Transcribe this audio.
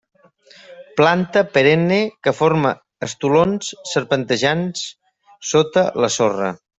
Planta perenne que forma estolons serpentejants sota la sorra.